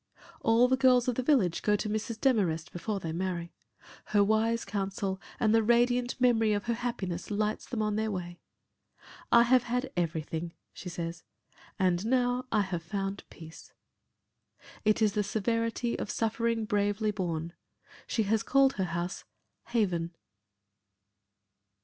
All the girls of the village go to Mrs. Demarest before they marry. Her wise counsel and the radiant memory of her happiness lights them on their way. "I have had everything," she says, "and now I have found peace." It is the severity of suffering bravely borne. She has called her house "Haven."